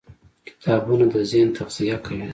کتابونه د ذهن تغذیه کوي.